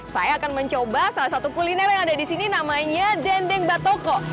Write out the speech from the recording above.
saya akan mencoba salah satu kuliner yang ada di sini namanya dendeng batoko